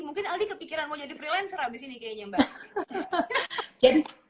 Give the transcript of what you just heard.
mungkin aldi kepikiran mau jadi freelancer abis ini kayaknya mbak